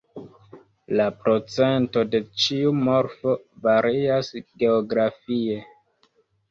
La procento de ĉiu morfo varias geografie.